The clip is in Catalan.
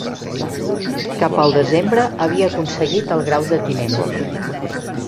Cap al desembre havia aconseguit el grau de tinent.